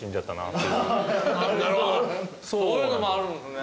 そういうのもあるんですね。